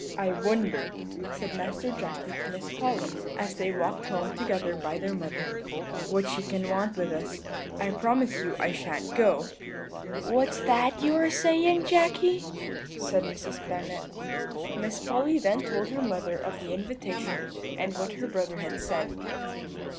"'I wonder,' said Master Jacky to Miss Polly, as they walked home together by their mother, 'what she can want with us. I promise you I shan't go.' "'What's that you are saying, Jacky?' said Mrs. Bennet. "Miss Polly then told her mother of the invitation and what her brother had said.